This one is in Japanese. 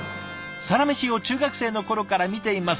「サラメシを中学生の頃から見ています」。